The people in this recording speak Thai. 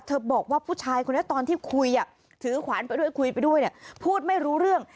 บอกว่าผู้ชายคนนี้ตอนที่คุยถือขวานไปด้วยคุยไปด้วยเนี่ยพูดไม่รู้เรื่อง